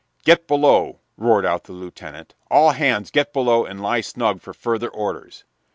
"Get below!" roared out the lieutenant. "All hands get below and lie snug for further orders!"